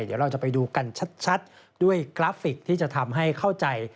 เดี๋ยวเราจะไปดูกันชัดด้วยกราฟิกที่จะทำให้เข้าใจ